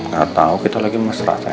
gak tau kita lagi masrah sayang